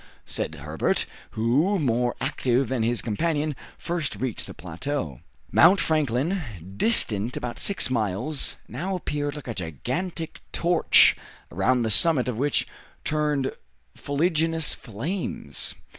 said Herbert, who, more active than his companion, first reached the plateau. Mount Franklin, distant about six miles, now appeared like a gigantic torch, around the summit of which turned fuliginous flames.